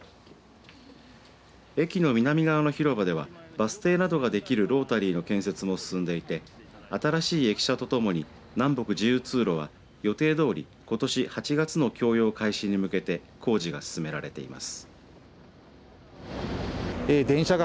駅の南側の広場ではバス停などができるロータリーの建設も進んでいて新しい駅舎とともに南北自由通路は予定どおりことし８月の供用開始に向けて工事が進められています。